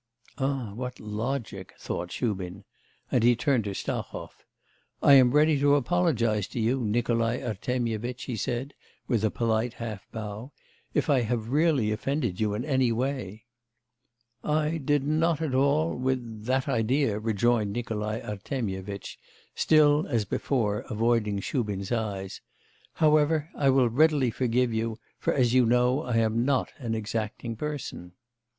'Ah, what logic!' thought Shubin, and he turned to Stahov. 'I am ready to apologise to you, Nikolai Artemyevitch,' he said with a polite half bow, 'if I have really offended you in any way.' 'I did not at all... with that idea,' rejoined Nikolai Artemyevitch, still as before avoiding Shubin's eyes. 'However, I will readily forgive you, for, as you know, I am not an exacting person.